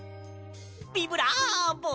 ビブラボ！